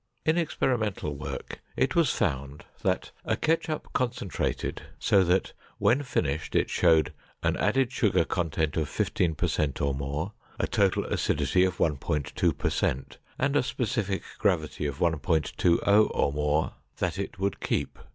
In experimental work it was found that a ketchup concentrated so that when finished it showed an added sugar content of 15 per cent or more, a total acidity of 1.2 per cent, and a specific gravity of 1.120 or more, that it would keep.